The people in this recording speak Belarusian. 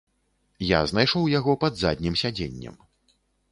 Я знайшоў яго пад заднім сядзеннем.